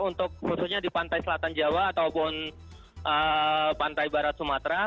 untuk khususnya di pantai selatan jawa ataupun pantai barat sumatera